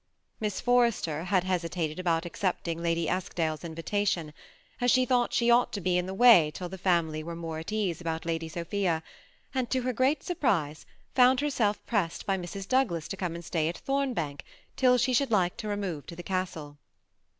Miss Forrester had hesitated about accepting Lady Eskdale's invitation, as she thought she should be in the way till the family were more at ease about Lady Sophia, and to her great surprise found herself pressed by Mrs. Douglas to come and stay at Thombank till she should like to remove to the castle.